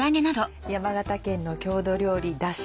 山形県の郷土料理だし。